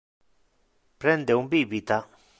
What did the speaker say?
Prende un bibita.